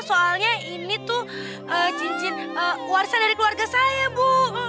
soalnya ini tuh cincin warisan dari keluarga saya bu